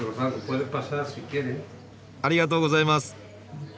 ありがとうございます。